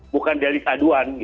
bukan dari saduan